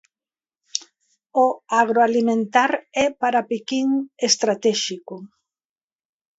O agroalimentar é para Pequín estratéxico.